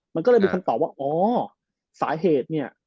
มันก็เลยมีคำตอบว่าอ๋อสาเหตุเนี่ย